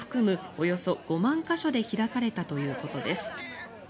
およそ５万か所で開かれたということです。